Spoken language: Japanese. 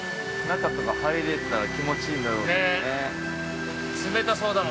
◆中とか入れてたら、気持ちいいだろうな。